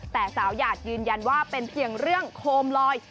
แต่สาวหยาดยืนยันว่าเป็นเพียงเรื่องโคมลอย